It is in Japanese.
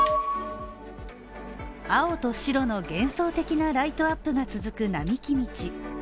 青と白の幻想的なライトアップが続く並木道